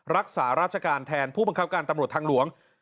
รักษาราชการแทนผู้บังคับการตำรวจทางหลวง